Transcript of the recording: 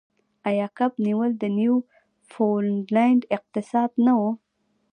آیا کب نیول د نیوفونډلینډ اقتصاد نه و؟